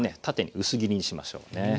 縦に薄切りにしましょうね。